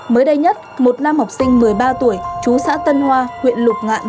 mới đây nhất một nam học sinh một mươi ba tuổi chú xã tân hoa huyện lục ngạn